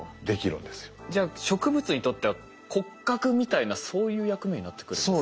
じゃあ植物にとっては骨格みたいなそういう役目になってくるんですか？